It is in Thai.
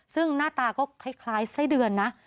ซึ่งหน้าตาก็คล้ายไส้เดือนนะ